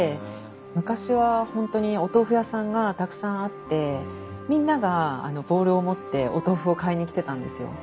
昔は本当にお豆腐屋さんがたくさんあってみんながボウルを持ってお豆腐を買いに来てたんですよ。